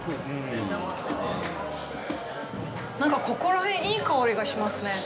なんかここら辺、いい香りがしますね。